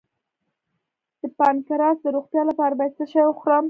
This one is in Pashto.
د پانکراس د روغتیا لپاره باید څه شی وخورم؟